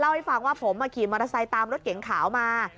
เล่าให้ฟังว่าผมมาขี่มัตรไซม์ตามรถเก่งขาวมา